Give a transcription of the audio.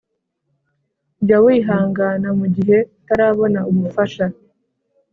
Jya wihangana mu gihe utarabona ubufasha.